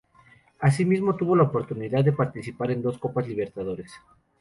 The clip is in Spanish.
Asimismo, tuvo la oportunidad de participar en dos Copas Libertadores.